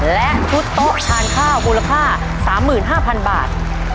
และชุดโต๊ะทานข้าวมูลค่า๓๕๐๐๐บาท